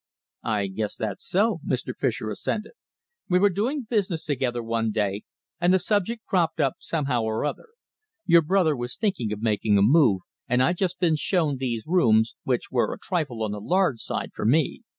"I guess that's so," Mr. Fischer assented. "We were doing business together one day, and the subject cropped up somehow or other. Your brother was thinking of making a move, and I'd just been shown these rooms, which were a trifle on the large side for me.